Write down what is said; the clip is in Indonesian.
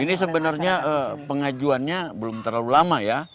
ini sebenarnya pengajuannya belum terlalu lama ya